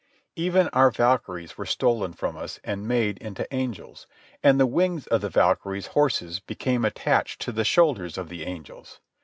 Even our Valkyries were stolen from us and made into angels, and the wings of the Valkyries' horses became attached to the shoulders of the angels.